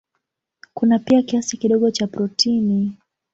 Kuna pia kiasi kidogo cha protini.